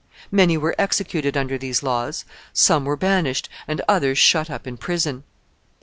Many were executed under these laws, some were banished, and others shut up in prison.